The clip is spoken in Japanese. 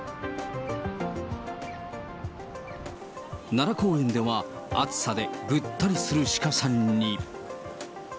奈良公園では暑さでぐったりする鹿さんに。